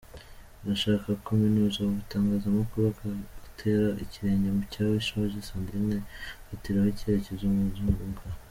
Arashaka kuminuza mu itangazamakuru agatera ikirenge mu cya Isheja Sandrine afatiraho icyitegererezo mu mwuga.